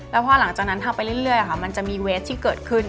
แล้วพอหลังจากนั้นทำไปเรื่อยมันจะมีเวสที่เกิดขึ้น